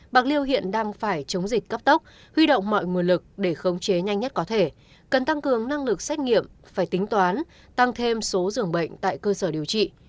bạc liêu hiện đang phải chống dịch cấp tốc huy động mọi nguồn lực để khống chế nhanh nhất có thể cần tăng cường năng lực xét nghiệm phải tính toán tăng thêm số dường bệnh tại cơ sở điều trị